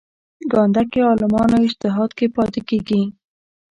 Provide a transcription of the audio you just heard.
ګانده کې عالمانو اجتهاد کې پاتې کېږي.